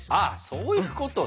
そういうことね。